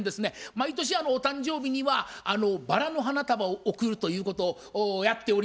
毎年お誕生日にはバラの花束を贈るということをやっておりました。